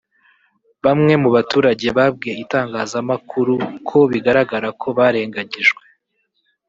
Bamwe mu baturage babwiye itangazamakuru ko bigaragara ko barenganyijwe